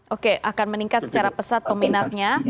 oke akan meningkat secara pesat peminatnya